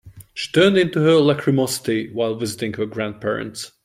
She turned into her lachrymosity while visiting her grandparents.